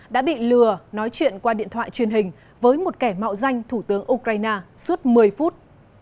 đã bị lừa nói chuyện qua điện thoại truyền hình với một kẻ mạo danh thủ tướng ukraine suốt một mươi phút